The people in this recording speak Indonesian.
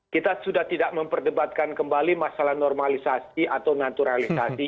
kita sudah tidak memperdebatkan kembali masalah normalisasi atau naturalisasi